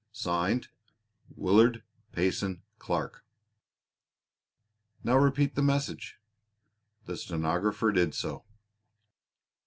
"(Signed) WILLARD PAYSON CLARK. "Now repeat the message." The stenographer did so.